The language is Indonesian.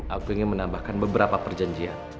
aku ingin menambahkan beberapa perjanjian